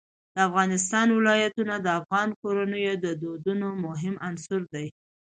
د افغانستان ولايتونه د افغان کورنیو د دودونو مهم عنصر دی.